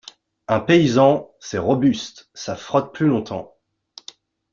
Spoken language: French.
Un paysan… c’est robuste, ça frotte plus longtemps.